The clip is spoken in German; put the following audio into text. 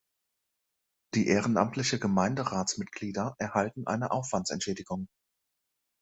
Die ehrenamtlichen Gemeinderatsmitglieder erhalten eine Aufwandsentschädigung.